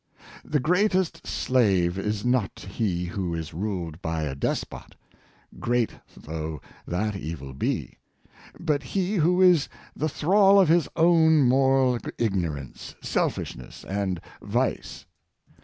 The greatest slave is not he who is ruled by a despot, great though that evil be, but he who is the thrall of his own moral ignorance, selfishness and vice.